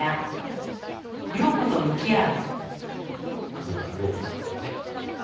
久保田涼子さん。